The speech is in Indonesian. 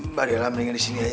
mbak della mendingan disini aja